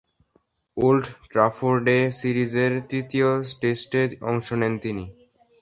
Old ট্রাফোর্ডে সিরিজের তৃতীয় টেস্টে অংশ নেন তিনি।